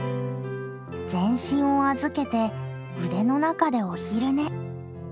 全身を預けて腕の中でお昼寝。